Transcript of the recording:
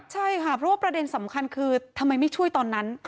ใช่ค่ะเพราะว่าประเด็นสำคัญคือทำไมไม่ช่วยตอนนั้น